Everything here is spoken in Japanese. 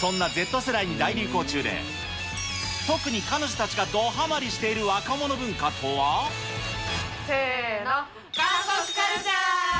そんなＺ世代に大流行中で、特に彼女たちがドハマりしている若者文化とは。せーの、韓国カルチャー。